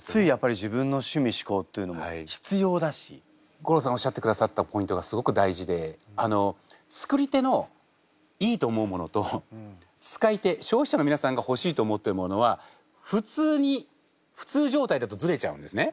吾郎さんおっしゃってくださったポイントがすごく大事であの作り手のいいと思うものと使い手消費者の皆さんがほしいと思ってるものは普通に普通状態だとズレちゃうんですね。